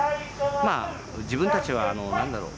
まあ自分たちは何だろう？